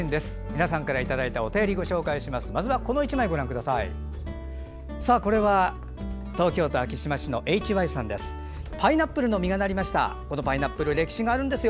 皆さんからいただいたお便りご紹介します。